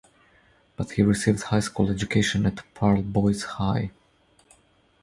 But he received high school education at Paarl Boys High.